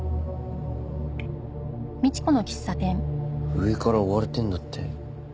上から追われてるんだって？